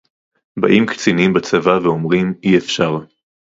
באים קצינים בצבא ואומרים: אי-אפשר